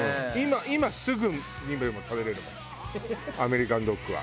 今すぐにでも食べれるもんアメリカンドッグは。